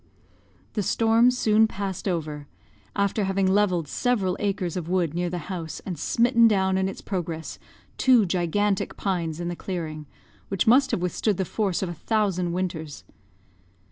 The storm soon passed over, after having levelled several acres of wood near the house and smitten down in its progress two gigantic pines in the clearing, which must have withstood the force of a thousand winters.